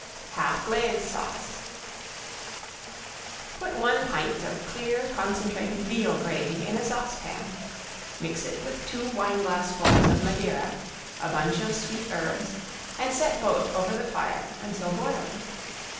~HALF GLAZE SAUCE~ Put one pint of clear concentrated veal gravy in a saucepan, mix it with two wine glassfuls of Madeira, a bunch of sweet herbs, and set both over the fire until boiling.